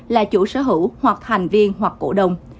là chủ sở hữu hoặc thành viên hoặc cổ đồng